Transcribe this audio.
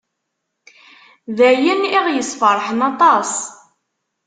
D ayen i aɣ-yesferḥen aṭas.